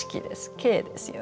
「景」ですよね。